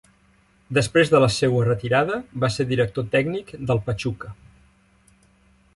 Després de la seua retirada, va ser director tècnic del Pachuca.